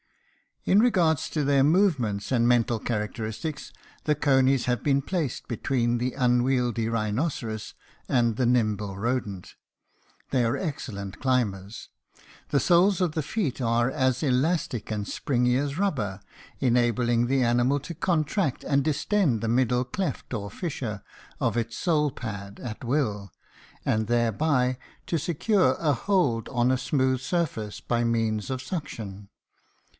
In regard to their movements and mental characteristics, the conies have been placed between the unwieldy rhinoceros and the nimble rodent. They are excellent climbers. The soles of the feet are as elastic and springy as rubber, enabling the animal to contract and distend the middle cleft or fissure of its sole pad at will, and thereby to secure a hold on a smooth surface by means of suction.